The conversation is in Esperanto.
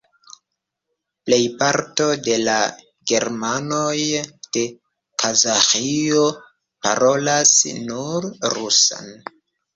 Plejparto de la germanoj de Kazaĥio parolas nur rusan.